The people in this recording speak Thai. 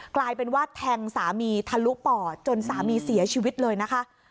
กลายเป็นว่าแทงสามีทะลุปอดจนสามีเสียชีวิตเลยนะคะ